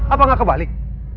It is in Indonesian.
apa gak kebalik